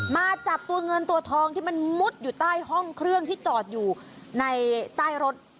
มาจับตัวเงินตัวทองที่มันมุดอยู่ใต้ห้องเครื่องที่จอดอยู่ในใต้รถ